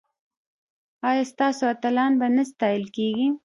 ایا ستاسو اتلان به نه ستایل کیږي؟